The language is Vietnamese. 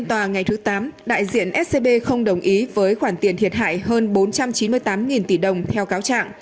trong tòa ngày thứ tám đại diện scb không đồng ý với khoản tiền thiệt hại hơn bốn trăm chín mươi tám tỷ đồng theo cáo trạng